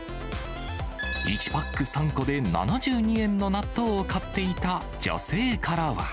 １パック３個で７２円の納豆を買っていた女性からは。